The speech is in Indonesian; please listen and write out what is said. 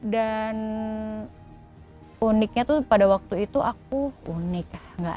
dan uniknya tuh pada waktu itu aku unik